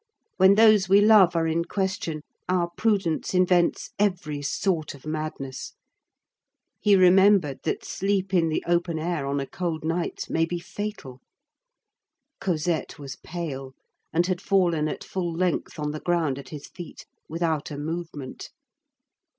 When those we love are in question, our prudence invents every sort of madness. He remembered that sleep in the open air on a cold night may be fatal. Cosette was pale, and had fallen at full length on the ground at his feet, without a movement.